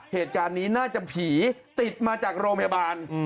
เหตุการณ์นี้น่าจะผีติดมาจากโรงพยาบาล